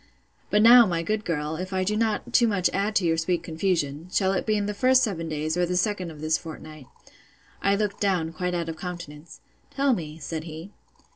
But now, my good girl, if I do not too much add to your sweet confusion, shall it be in the first seven days, or the second of this fortnight? I looked down, quite out of countenance. Tell me, said he.